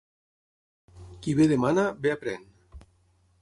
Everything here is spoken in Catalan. Qui bé demana, bé aprèn.